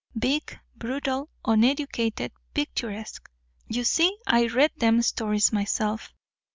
Big, brutal, uneducated, picturesque you see I read them stories myself.